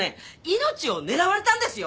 命を狙われたんですよ